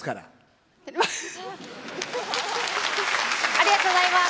ありがとうございます。